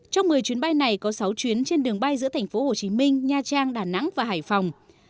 trong một mươi chuyến bay này có sáu chuyến trên đường bay giữa thành phố hồ chí minh nha trang đà nẵng và hải phòng